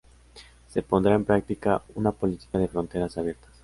Se pondrá en práctica una política de fronteras abiertas.